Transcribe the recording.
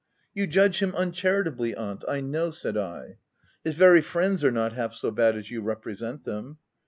" You judge him uncharitably, aunt, I know/' said I. <c His very friends are not half so bad as you represent them.